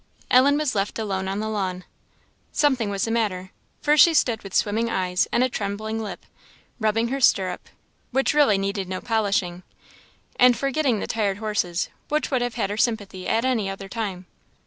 Ellen was left alone on the lawn. Something was the matter; for she stood with swimming eyes and a trembling lip, rubbing her stirrup, which really needed no polishing, and forgetting the tired horses, which would have had her sympathy at any other time.